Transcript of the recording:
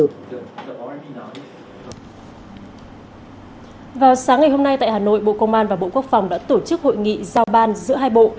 vào sáng ngày hôm nay tại hà nội bộ công an và bộ quốc phòng đã tổ chức hội nghị giao ban giữa hai bộ